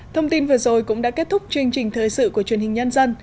thông tin vừa rồi cũng đã kết thúc chương trình thời sự của truyền hình nhân dân